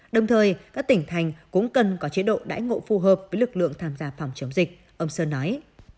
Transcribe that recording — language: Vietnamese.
đồng thời các tỉnh thành cũng cần có chế độ đãi ngộ phù hợp với lực lượng tham gia phòng chống dịch ông sơn nói